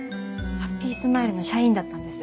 ハッピースマイルの社員だったんです。